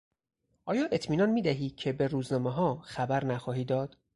آیا اطمینان میدهی که به روزنامهها خبر نخواهی داد؟